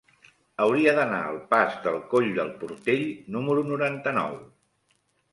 Hauria d'anar al pas del Coll del Portell número noranta-nou.